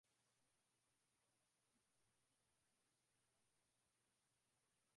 laki saba kumi na sita mia mbili na tisa kwa mwaka